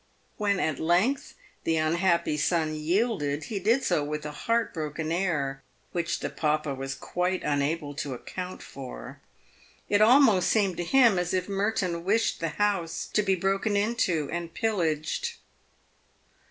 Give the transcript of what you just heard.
"When at length the unhappy son yielded, he did so with a heart broken air, which the papa was quite unable to account for. It almost seemed to him as if Merton wished the house to be broken into and pillaged.